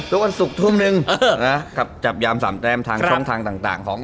ทุกคนสุกทุ่มนึงนะครับจับยามสามแจ้มทางช่องทางต่างต่างของ